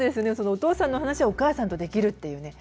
お父さんの話をお母さんとできるっていう。